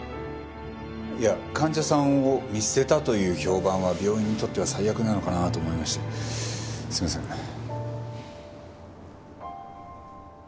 いや患者さんを見捨てたという評判は病院にとっては最悪なのかなと思いましてすいません。